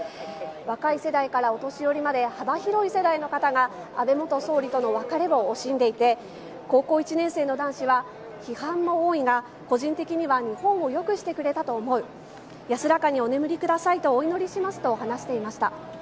若い世代からお年寄りまで幅広い世代の方が安倍元総理との別れを惜しんでいて高校１年生の男子は批判も多いが個人的には日本を良くしてくれたと思う安らかにお眠りくださいとお祈りしますと話していました。